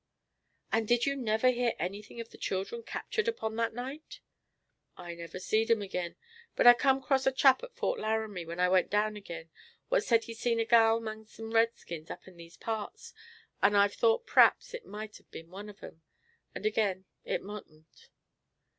"And did you never hear anything of the children captured upon that night?" "I never seed 'em agin; but I come 'cross a chap at Fort Laramie when I went down agin, what said he'd seen a gal 'mong some the redskins up in these parts, and I've thought p'r'aps it mought be one of 'em, and agin it moughtn't."